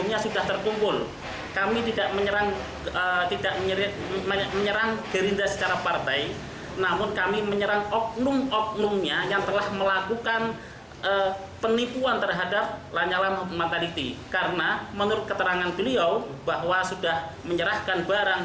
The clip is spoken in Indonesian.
yang dimintai mahar untuk memuluskan pencalonan